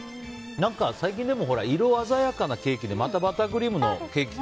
最近、色鮮やかなケーキでまたバタークリームのケーキ